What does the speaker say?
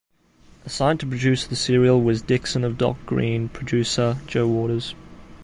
Assigned to produce the serial was "Dixon of Dock Green" producer Joe Waters.